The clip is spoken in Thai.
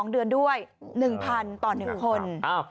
๒เดือนด้วย๑๐๐ต่อ๑คน